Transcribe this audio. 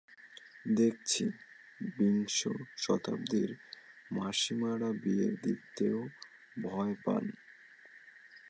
দেখছি, বিংশ শতাব্দীর মাসিমারা বিয়ে দিতেও ভয় পান।